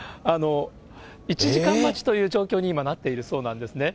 １時間待ちという状況に、今なっているそうなんですね。